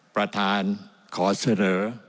ประธานขอเสนอ